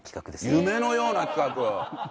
夢のような企画！